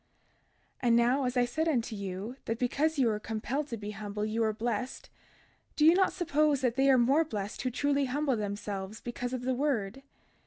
32:14 And now, as I said unto you, that because ye were compelled to be humble ye were blessed, do ye not suppose that they are more blessed who truly humble themselves because of the word?